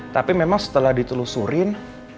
tapi memang setelah ditelusurin